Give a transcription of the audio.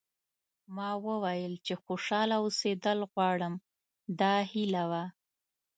ما وویل چې خوشاله اوسېدل غواړم دا هیله وه.